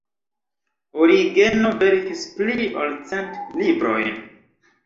Origeno verkis pli ol cent librojn.